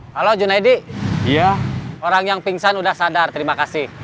halo junedi orang yang pingsan sudah sadar terima kasih